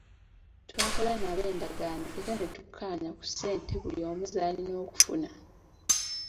Twakola nabo endagaano era ne tukkaanya ku ssente buli omu z'alina okufuna.